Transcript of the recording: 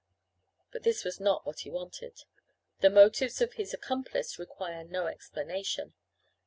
But this was not what he wanted. The motives of his accomplice require no explanation.